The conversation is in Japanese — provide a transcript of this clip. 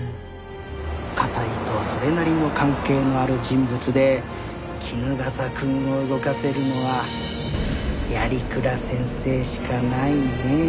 加西とそれなりの関係のある人物で衣笠くんを動かせるのは鑓鞍先生しかないねえ。